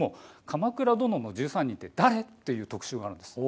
「鎌倉殿の１３人って誰？」の特集があるんです。